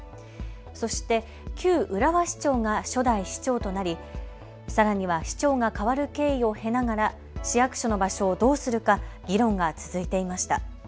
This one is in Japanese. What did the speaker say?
そして旧浦和市長が初代市長となり、さらには市長がかわる経緯を経ながらながら市役所の場所をどうするか議論が続いていました。